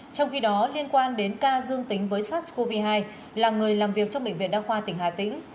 trong khi đó liên quan đến ca dương tính với sars cov hai là người làm việc trong bệnh viện đa khoa tỉnh hà tĩnh